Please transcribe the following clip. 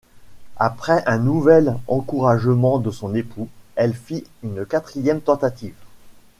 Après un nouvel encouragement de son époux, elle fit une quatrième tentative.